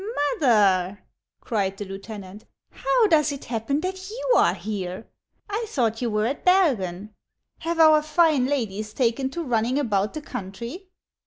" Mother," cried the lieutenant, " how does it happen that you are here ? I thought you were at Bergen. Have our fine ladies taken to running about the country